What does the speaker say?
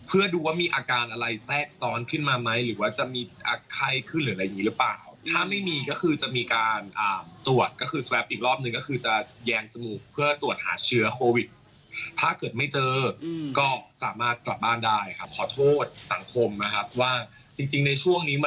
และดูว่ามีอาการอะไรแทรกซ้อนขึ้นมาไหม